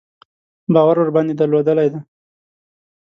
باور ورباندې درلودلی دی.